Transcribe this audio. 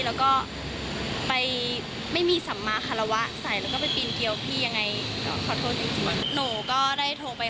แล้วก็ไปไม่มีสัมมาคารวะใส่แล้วก็ไปปีนเกียวพี่ยังไงขอโทษจริง